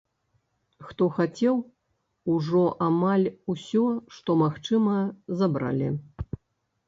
Хто хацеў, ужо амаль усё, што магчыма, забралі.